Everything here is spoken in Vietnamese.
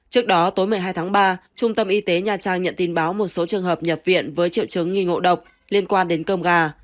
trước đó tối một mươi hai tháng ba trung tâm y tế nha trang nhận tin báo một số trường hợp nhập viện với triệu chứng nghi ngộ độc liên quan đến cơm gà